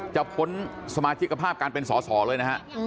พ้นสมาชิกภาพการเป็นสอสอเลยนะฮะ